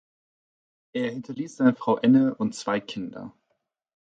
Er hinterließ seine Frau Änne und zwei Kinder.